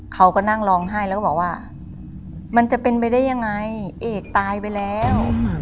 เขาก็นั่งร้องไห้แล้วก็บอกว่ามันจะเป็นไปได้ยังไงเอกตายไปแล้ว